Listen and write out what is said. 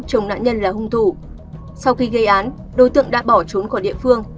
chồng nạn nhân là hung thủ sau khi gây án đối tượng đã bỏ trốn khỏi địa phương